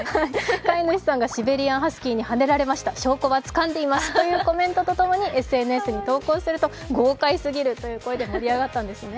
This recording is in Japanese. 飼い主さんが、シベリアンハスキーにはねられました、証拠は掴んでいますとコメントと共にＳＮＳにコメントすると豪快すぎるという声で盛り上がったんですよね